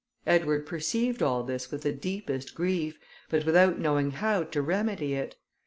Edward perceived all this with the deepest grief, but without knowing how to remedy it.